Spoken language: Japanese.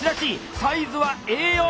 サイズはＡ４！